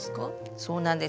そうなんです。